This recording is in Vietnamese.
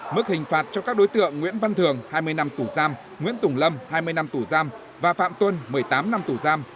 mức hình phạt cho các đối tượng nguyễn văn thường hai mươi năm tù giam nguyễn tùng lâm hai mươi năm tù giam và phạm tuân một mươi tám năm tù giam